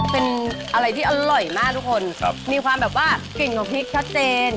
เป็นอะไรที่อร่อยมากทุกคนครับมีความแบบว่ากลิ่นของพริกชัดเจน